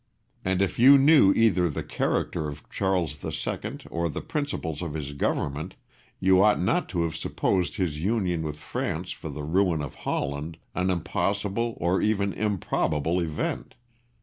And if you knew either the character of Charles II. or the principles of his government, you ought not to have supposed his union with France for the ruin of Holland an impossible or even improbable event.